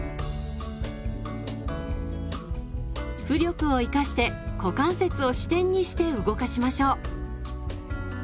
浮力を生かして股関節を支点にして動かしましょう。